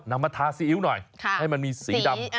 นำมาทาซีอิ๊วหน่อยให้มันมีสีดำ